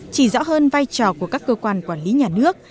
chỉ rõ hơn vai trò của các cơ quan quản lý nhà nước